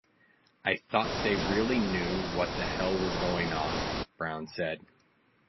I thought they really knew what the hell was going on, Brown said.